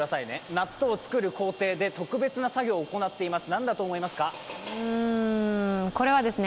納豆をつくる工程で特別な作業を行っています。